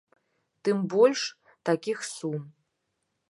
Тым больш, такіх сум.